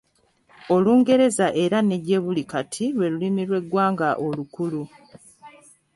Olungereza era ne gyebuli kati lwe lulimi lw’eggwanga olukulu.